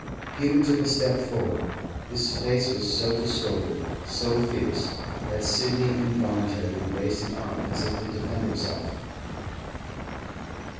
Hewett took a step forward. His face was so distorted, so fierce, that Sidney involuntarily raised an arm, as if to defend himself.